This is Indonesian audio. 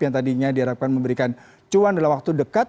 yang tadinya diharapkan memberikan cuan dalam waktu dekat